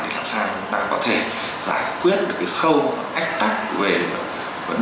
để làm sao chúng ta có thể giải quyết được cái khâu ách tạc về vấn đề người dân công dân